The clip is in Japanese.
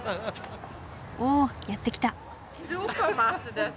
おおやってきた。